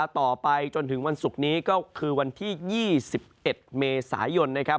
ต่อไปจนถึงวันศุกร์นี้ก็คือวันที่๒๑เมษายนนะครับ